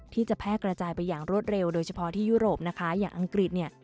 ที่จะแพร่กระจายไปอย่างรวดเร็วโดยเฉพาะที่ยุโรปนะคะอย่างอังกฤษเนี่ย